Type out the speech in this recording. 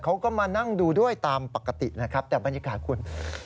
เขาก็มานั่งดูด้วยตามปกตินะครับแต่บรรยากาศคุณ